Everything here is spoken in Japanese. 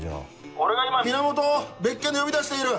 俺が今源を別件で呼び出している。